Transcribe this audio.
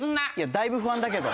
だいぶ不安だけど。